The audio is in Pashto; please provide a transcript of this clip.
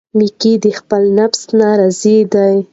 میکا د خپل نفس نه راضي دی.